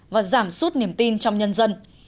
và giảm sút niềm tin trong nhân dân